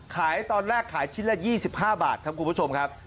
ขายตอนแรกขายชิ้นละ๒๕บาทครับคุณผู้ชมครับ